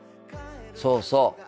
そうそう。